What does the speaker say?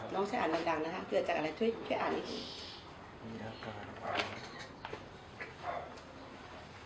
น้องช่วยอ่านดังนะคะเกือบจากอะไรช่วยอ่านอีก